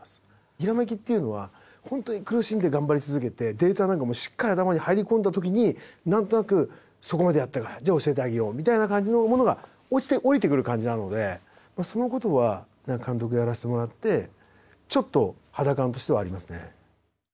ひらめきっていうのは本当に苦しんで頑張り続けてデータなんかもしっかり頭に入り込んだ時に何となくそこまでやったかじゃあ教えてあげようみたいな感じのものが落ちて降りてくる感じなのでそのことは監督やらせてもらってちょっと肌感としてはありますね。